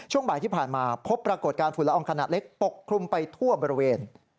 ช่วงบ่ายที่ผ่านมาพบปรากฏการณ์ฝุ่นละอองขนาดเล็กปกคลุมไปทั่วบริเวณ